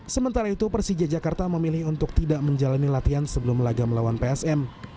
sementara itu persija jakarta memilih untuk tidak menjalani latihan sebelum laga melawan psm